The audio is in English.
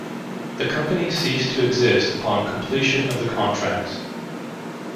The company ceased to exist upon completion of the contracts.